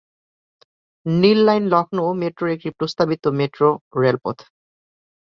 নীল line Lucknow মেট্রোর একটি প্রস্তাবিত মেট্রো রেলপথ।